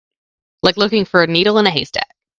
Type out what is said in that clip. Like looking for a needle in a haystack.